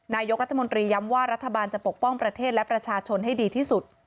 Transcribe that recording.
นายกรัฐมนตรีย้ำว่ารัฐบาลจะปกป้องประเทศและประชาชนให้ดีที่สุด